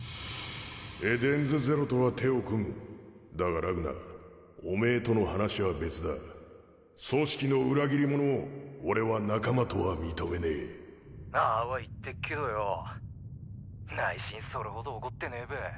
エデンズゼロとは手をだがラグナおめぇとの話は別だ組織の裏切り者を俺は仲間とは認めねえああは言ってっけどよぉ内心それほど怒ってねえべ。